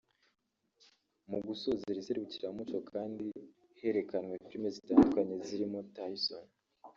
Mu gusoza iri serukiramuco kandi herekanwe film zitandukanye zirimo ‘Tyson’